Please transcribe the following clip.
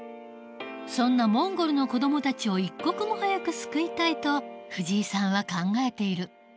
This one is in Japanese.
そんなモンゴルの子どもたちを一刻も早く救いたいと藤井さんは考えている。